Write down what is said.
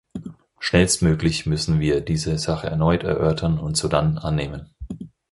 Schnellstmöglich müssen wir diese Sache erneut erörtern und sodann annehmen.